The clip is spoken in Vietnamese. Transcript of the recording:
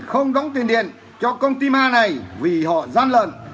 không đóng tiền điện cho công ty ma này vì họ gian lận